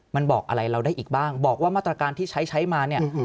มันบอกอะไรเราได้อีกบ้างบอกว่ามาตรการที่ใช้ใช้มาเนี่ย